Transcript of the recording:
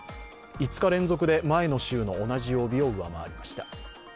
５日連続で前の週の同じ曜日を上回りました。